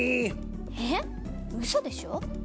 えっウソでしょ？